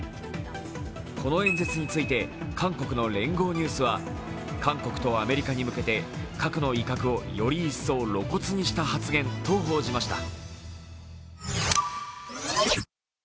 この演説について、韓国の聯合ニュースは韓国とアメリカに向けて核の威嚇をより一層露骨にした発言と報じました。